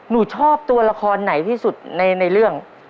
หนูชอบตัวละครไหนที่สุดในเรื่อง